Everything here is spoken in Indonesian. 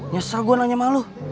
nyesel gue nanya sama lu